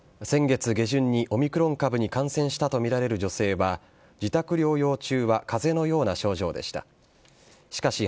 先月下旬にオミクロン株に感染したと見られる女性は、自宅療養中はかぜのような症状でした。